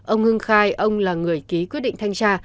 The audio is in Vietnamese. ông hưng khai ông là người ký quyết định thanh tra